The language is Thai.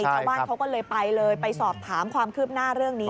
ชาวบ้านเขาก็เลยไปเลยไปสอบถามความคืบหน้าเรื่องนี้